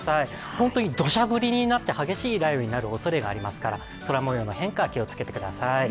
本当にどしゃ降りになって、激しい雷雨になるおそれがありますから空もようの変化、気をつけてください。